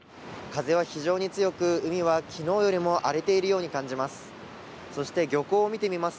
風は非常に強く海は昨日よりも荒れているように感じます。